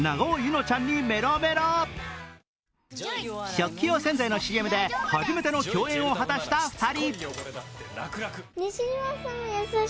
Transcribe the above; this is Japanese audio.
食器用洗剤のＣＭで初めての共演を果たした２人。